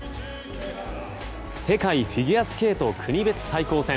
世界フィギュアスケート国別対抗戦。